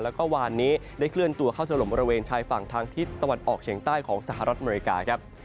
แล้วก็วานนี้ได้เคลื่อนตัวเข้าถล่มบริเวณชายฝั่งทางทิศตะวันออกเฉียงใต้ของสหรัฐอเมริกาครับ